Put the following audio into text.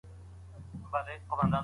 راتلونکی په نننیو هڅو پوري تړلی دی.